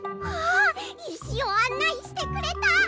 わあいしをあんないしてくれた！